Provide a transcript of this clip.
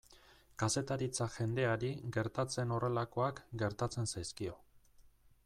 Kazetaritza jendeari gertatzen horrelakoak gertatzen zaizkio.